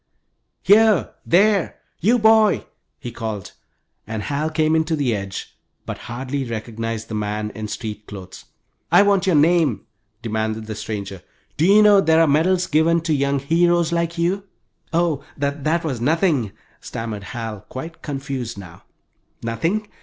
"Here, there, you boy," he called, and Hal came in to the edge, but hardly recognized the man in street clothes. "I want your name," demanded the stranger. "Do you know there are medals given to young heroes like you?" "Oh, that was nothing," stammered Hal, quite confused now. "Nothing!